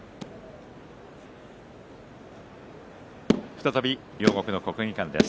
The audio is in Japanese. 再び両国の国技館です。